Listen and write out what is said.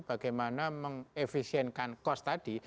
bagaimana mengefisienkan kos tadi